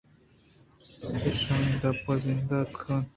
ایشانی دپ ءَ زاہ ءُ بد ءَ اتکگ اَت